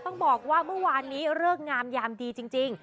ต้องบอกว่าเมื่อวานนี้เลิกงามยามดีจริง